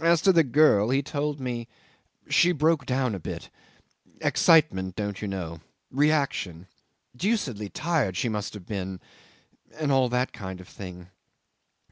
As to the girl, he told me, "She broke down a bit. Excitement don't you know. Reaction. Deucedly tired she must have been and all that kind of thing.